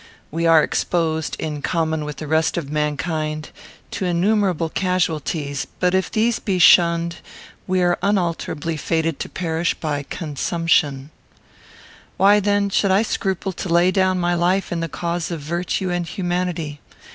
We are exposed, in common with the rest of mankind, to innumerable casualties; but, if these be shunned, we are unalterably fated to perish by consumption. Why then should I scruple to lay down my life in the cause of virtue and humanity?